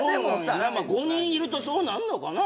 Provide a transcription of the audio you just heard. ５人いるとそうなんのかな。